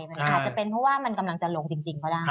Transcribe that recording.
มันอาจจะเป็นเพราะว่ามันจะลงจริงต่อได้